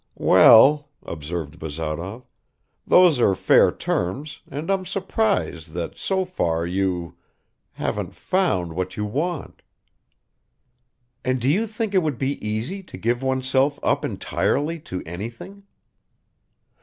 "Well," observed Bazarov, "those are fair terms, and I'm surprised that so far you ... haven't found what you want." "And do you think it would be easy to give oneself up entirely to anything?"